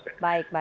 oke baik baik